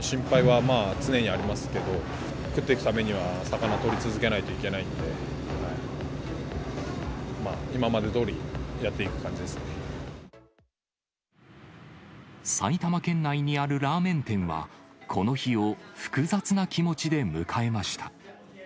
心配はまあ、常にありますけど、食っていくためには魚取り続けないといけないんで、今までどおり埼玉県内にあるラーメン店は、この日を複雑な気持ちで迎えました。